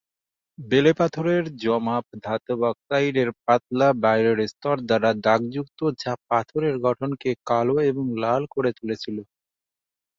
বেলেপাথর জমা ধাতব অক্সাইডের পাতলা বাইরের স্তর দ্বারা দাগযুক্ত যা পাথরের গঠনকে কালো এবং লাল করে তুলেছে।